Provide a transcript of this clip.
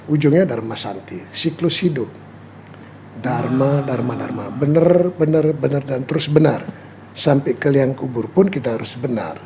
ujungnya dharma santi siklus hidup dharma dharma dharma benar benar dan terus benar sampai ke liang kubur pun kita harus benar